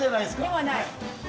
ではない？